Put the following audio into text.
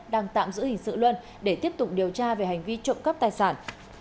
đang tạm giữ hình sự luân để tiếp tục điều tra về hành vi trộm cắp tài sản